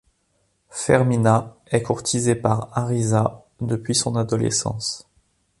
Fermina est courtisée par Ariza depuis son adolescence.